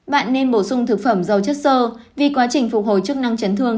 bạn nên bổ sung thực phẩm dầu chất sơ vì quá trình phục hồi chức năng chấn thương